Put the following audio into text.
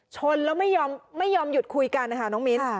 ชนแล้วไม่ยอมหยุดคุยกันนะคะน้องมิ้น